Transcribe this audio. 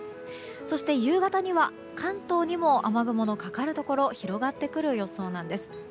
そして、夕方には関東にも雨雲のかかるところ広がってくる予想なんです。